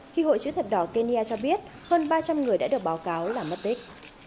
khi hội chữ thập đỏ kenya cho biết hơn ba trăm linh người đã được báo cáo là mất tích